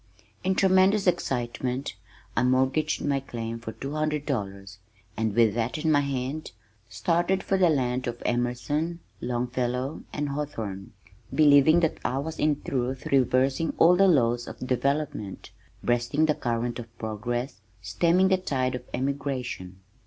In tremendous excitement I mortgaged my claim for two hundred dollars and with that in my hand, started for the land of Emerson, Longfellow, and Hawthorne, believing that I was in truth reversing all the laws of development, breasting the current of progress, stemming the tide of emigration.